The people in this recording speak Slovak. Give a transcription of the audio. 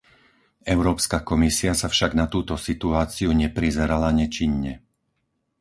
Európska komisia sa však na túto situáciu neprizerala nečinne.